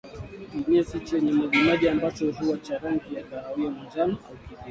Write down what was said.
Kinyesi chenye majimaji ambacho huwa cha rangi ya kahawia manjano au kijivu